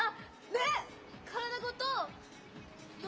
ねっ！